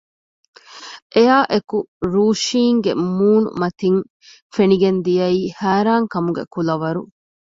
އެއާއެކު ރޫޝިންގެ މޫނުމަތިން ފެނިގެން ދިޔައީ ހައިރާންކަމުގެ ކުލަވަރު